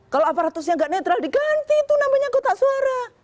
kalau aparatusnya nggak netral diganti itu namanya kotak suara